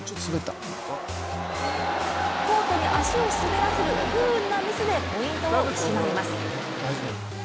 コートに足を滑らせる不運なミスでポイントを失います。